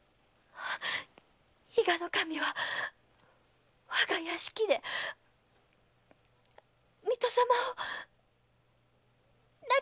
伊賀守は我が屋敷で水戸様を亡き者に。